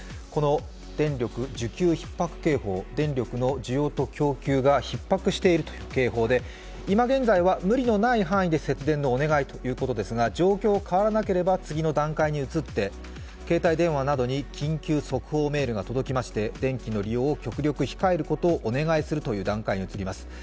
この電力需給ひっ迫警報電力の需要と供給がひっ迫しているという警報で、今現在は無理のない範囲で節電のお願いということですが、状況が変わらなければ次の段階に移って携帯電話などに緊急速報メールが届きまして電気の利用を極力控えることをお願いするという段階に移ります。